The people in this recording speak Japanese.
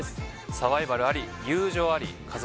サバイバルあり友情あり家族